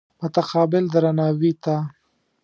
متقابل درناوي ته.